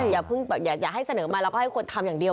อย่าเพิ่งอย่าให้เสนอมาแล้วก็ให้คนทำอย่างเดียว